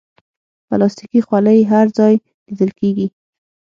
پلاستيکي خولۍ هر ځای لیدل کېږي.